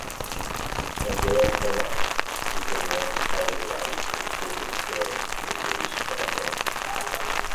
Andreas Hermann became known to television audiences through his appearances in the series "Stromberg."